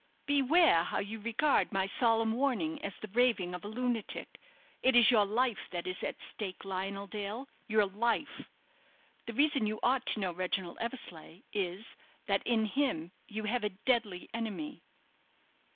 "Beware how you regard my solemn warning as the raving of a lunatic. It is your life that is at stake, Lionel Dale your life! The reason you ought to know Reginald Eversleigh is, that in him you have a deadly enemy."